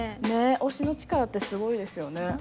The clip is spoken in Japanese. ねえ推しの力ってすごいですよね。